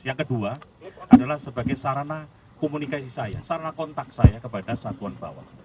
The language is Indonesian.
yang kedua adalah sebagai sarana komunikasi saya sarana kontak saya kepada satuan bawah